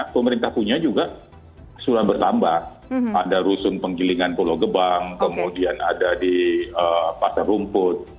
pemerintah punya juga sudah bertambah ada rusun penggilingan pulau gebang kemudian ada di pasar rumput